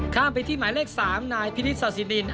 ข้ามไปที่หมายเลข๓นายพินิศาสิดิน